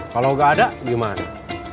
kalau gak ada gimana